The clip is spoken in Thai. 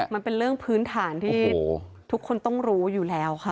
มันเป็นเรื่องพื้นฐานที่ทุกคนต้องรู้อยู่แล้วค่ะ